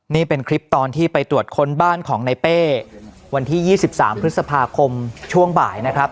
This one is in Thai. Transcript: นี่เป็นคลิปตอนที่ไปตรวจค้นบ้านของในเป้วันที่๒๓พฤษภาคมช่วงบ่ายนะครับ